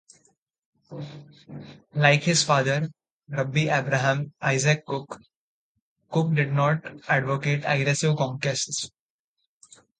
Like his father, Rabbi Abraham Isaac Kook, Kook did not advocate aggressive conquest.